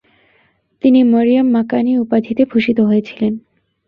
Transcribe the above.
তিনি ‘মরিয়ম মাকানি’ উপাধিতে ভূষিত হয়েছিলেন।